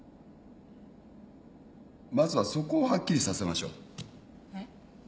まずはそこをはっきりさせましょう。えっ？はっ？